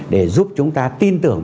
để giúp chúng ta tin tưởng